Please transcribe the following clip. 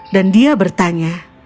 dan dia bertanya